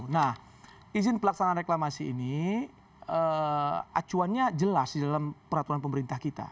nah izin pelaksanaan reklamasi ini acuannya jelas di dalam peraturan pemerintah kita